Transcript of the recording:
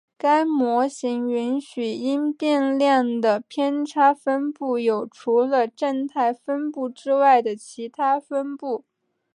该模型允许因变量的偏差分布有除了正态分布之外的其它分布。